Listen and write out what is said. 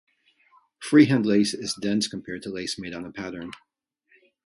Freehand lace is dense compared to lace made on a pattern.